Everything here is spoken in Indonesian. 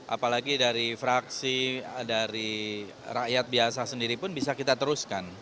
apalagi dari fraksi dari rakyat biasa sendiri pun bisa kita teruskan